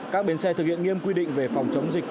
các bến xe thực hiện nghiêm quy định về phòng chống dịch